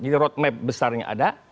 jadi roadmap besarnya ada